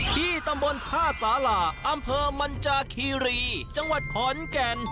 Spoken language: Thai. ที่ตำบลท่าสาราอำเภอมันจาคีรีจังหวัดขอนแก่น